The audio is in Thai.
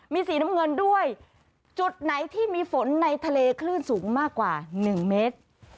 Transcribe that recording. มีสีน้ำเงินด้วยจุดไหนที่มีฝนในทะเลคลื่นสูงมากกว่า๑เมตร